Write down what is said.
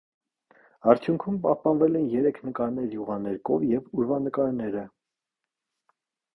Արդյունքում պահպանվել են երեք նկարներ յուղաներկով և ուրվանկարները։